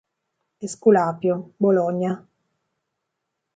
Esculapio, Bologna.